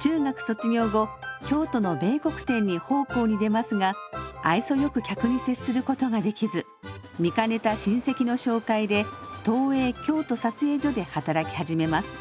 中学卒業後京都の米穀店に奉公に出ますが愛想よく客に接することができず見かねた親戚の紹介で東映京都撮影所で働き始めます。